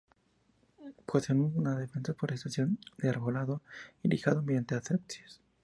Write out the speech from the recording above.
Poseen una densa forestación de arbolado irrigado mediante acequias.